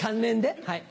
はい。